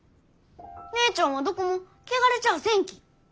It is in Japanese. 姉ちゃんはどこも汚れちゃあせんき。